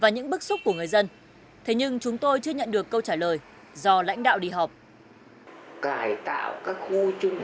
nhưng bây giờ đặt vấn đề ra là tái định cư ở đâu